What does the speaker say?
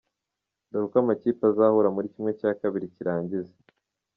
Dore uko amakipe azahura muri ½ cy’irangiza:.